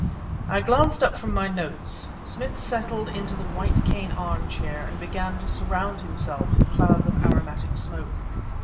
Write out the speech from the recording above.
I glanced up from my notes. Smith settled into the white cane armchair, and began to surround himself with clouds of aromatic smoke.